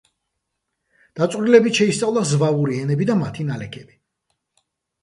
დაწვრილებით შეისწავლა ზვავური ენები და მათი ნალექები.